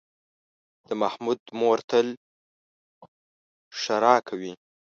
د محمود مور تل ښېرې کوي.